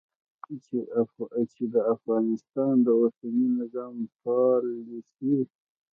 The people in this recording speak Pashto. چې د افغانستان د اوسني نظام پالیسي